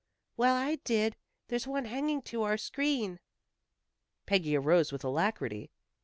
"Well, I did. There's one hanging to our screen." Peggy arose with alacrity.